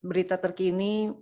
dan berita terkini